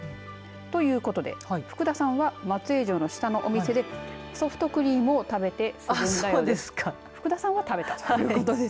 ということで、福田さんは松江城の下のお店でソフトクリームを食べて福田さんは食べたということです。